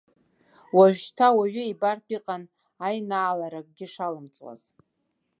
Уажәшьҭа уаҩы ибартә иҟан аинаалара акгьы шалымҵуаз.